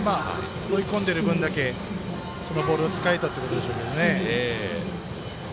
追い込んでる分だけそのボールを使えたってことでしょうけどね。